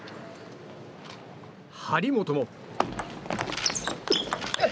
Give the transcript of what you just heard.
張本も。